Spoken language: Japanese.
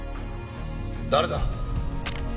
誰だ？